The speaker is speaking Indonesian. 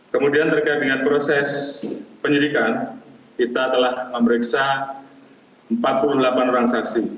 kemudian terkait dengan proses penyidikan kita telah memeriksa empat puluh delapan orang saksi